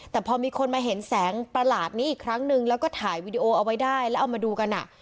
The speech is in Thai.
แต่พอมีคนมาเห็นแสงประหลาดนี้อีกครั้งนึงแล้วก็ถ่ายวีดีโอเอาไว้ได้แล้วเอามาดูกันอ่ะ